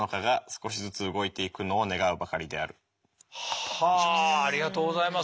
はあありがとうございます。